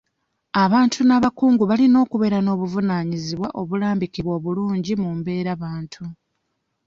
Abantu n'abakungu balina okubeera n'obuvunaanyizibwa obulambikiddwa obulungi mu mbeerabantu.